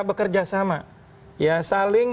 bekerja sama ya saling